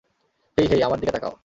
হেই, hey, আমার দিকে তাকাও।